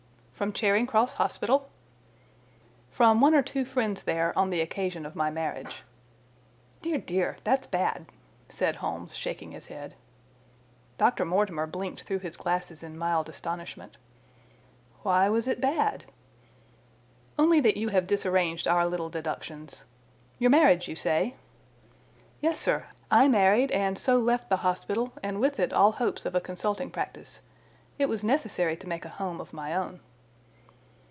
"From Charing Cross Hospital?" "From one or two friends there on the occasion of my marriage." "Dear, dear, that's bad!" said Holmes, shaking his head. Dr. Mortimer blinked through his glasses in mild astonishment. "Why was it bad?" "Only that you have disarranged our little deductions. Your marriage, you say?" "Yes, sir. I married, and so left the hospital, and with it all hopes of a consulting practice. It was necessary to make a home of my own."